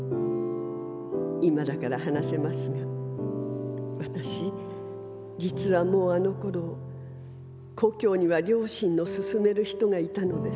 今だから話せますが私実はもうあの頃故郷には両親のすすめる人がいたのです。